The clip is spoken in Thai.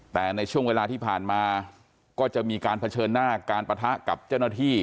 แต่ในช่วงเวลาที่ผ่านมาก็จะมีการเผชิญหน้าการปะทะกับเจ้าหน้าที่